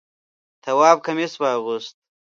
تواب کمیس واغوست.